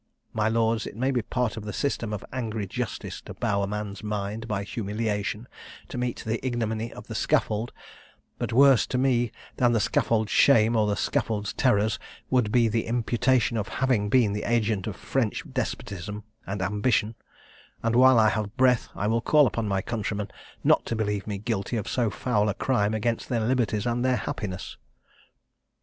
My Lords, it may be part of the system of angry justice to bow a man's mind by humiliation to meet the ignominy of the scaffold; but worse to me than the scaffold's shame or the scaffold's terrors, would be the imputation of having been the agent of French despotism and ambition; and while I have breath I will call upon my countrymen not to believe me guilty of so foul a crime against their liberties and their happiness.